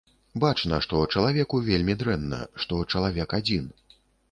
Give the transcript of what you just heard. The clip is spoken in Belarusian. Бачна, што чалавеку вельмі дрэнна, што чалавек адзін.